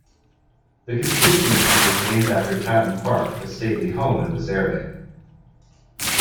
The constituency is named after Tatton Park, a stately home in this area.